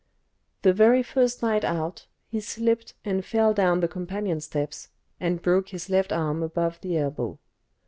The very first night out he slipped and fell down the companion steps, and broke his left arm above the elbow.